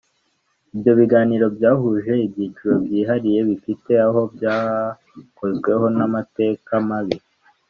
ibyo biganiro byahuje ibyiciro byihariye bifite aho byakozweho n amateka mabi